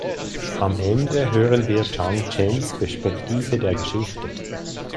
Am Ende hören wir Jiang Chens Perspektive der Geschichte.